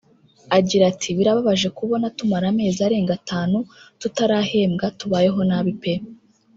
Agira ati “Birababaje kubona tumara amezi arenga atanu tutarahembwa tubayeho nabi pe